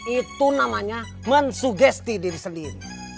itu namanya mensugesti diri sendiri